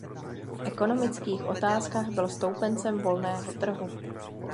V ekonomických otázkách byl stoupencem volného trhu.